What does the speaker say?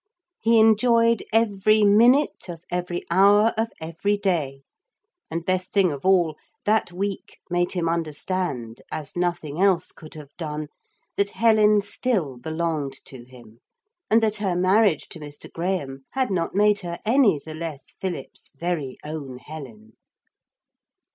He enjoyed every minute of every hour of every day, and, best thing of all, that week made him understand, as nothing else could have done, that Helen still belonged to him, and that her marriage to Mr. Graham had not made her any the less Philip's very own Helen.